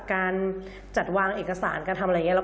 การจัดวางเอกสารการทำอะไรอย่างนี้